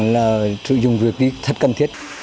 là sử dụng việc đi thật cần thiết